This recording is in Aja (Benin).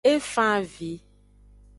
E fan avi.